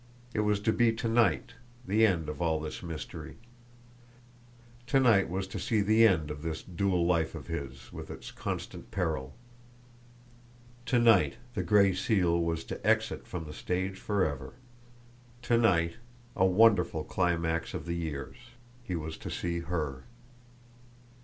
It was to be to night, the end of all this mystery. To night was to see the end of this dual life of his, with its constant peril! To night the Gray Seal was to exit from the stage forever! To night, a wonderful climax of the years, he was to see HER!